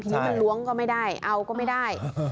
ทีนี้มันล้วงก็ไม่ได้เอาก็ไม่ได้